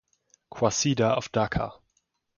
Qasida of Dhaka